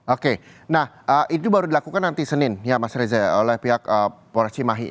oke nah itu baru dilakukan nanti senin ya mas reza oleh pihak polres cimahi